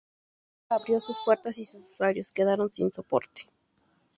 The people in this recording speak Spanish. Nunca más abrió sus puertas y sus usuarios quedaron sin soporte.